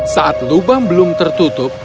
saat lubang belum tertutup